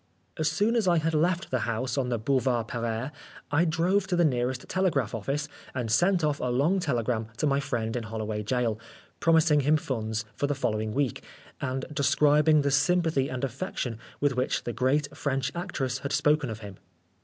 " As soon as I had left the house on the Boulevard Pereire, I drove to the nearest telegraph office and sent off a long telegram to my friend in Hollo way Gaol, promising him funds for the following week, and describing the sympathy and affection with which the great French actress had spoken of him.